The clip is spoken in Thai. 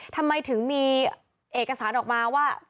ทำไมถึงมีเอกสารออกมาว่า